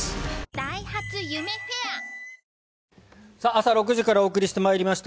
朝６時からお送りしてまいりました